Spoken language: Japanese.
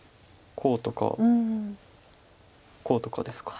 こうとかこうとかですか。